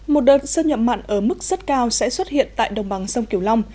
một đợt sơn nhậm mặn ở mức rất cao sẽ xuất hiện tại đồng bằng sông kiều long